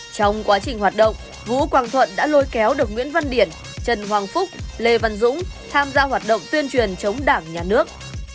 trong quá trình hoạt động vũ quang thuận đã lôi kéo được nguyễn văn điển trần hoàng phúc lê văn dũng tham gia hoạt động tuyên truyền chống đảng nhà nước